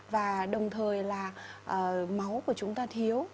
và đồng thời là máu của chúng ta thiếu